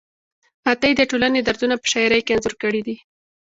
عطایي د ټولنې دردونه په شاعرۍ کې انځور کړي دي.